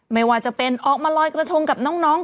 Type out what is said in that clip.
ไม่ว่าจะเป็นออกมาลอยกระทงกับน้อง